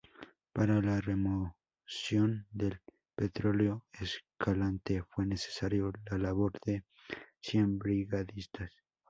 Para la remoción del "petróleo Escalante" fue necesario la labor de cien brigadistas.